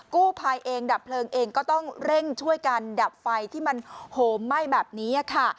กู้ภัยเองดับเพลิงเองก็ต้องเร่งช่วยกันดับไฟที่มันโหมไหม้แบบนี้ค่ะ